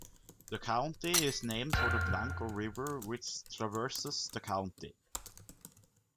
The county is named for the Blanco River which traverses the county.